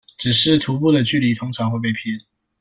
只是徒步的距離通常會被騙